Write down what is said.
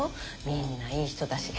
みんないい人だし。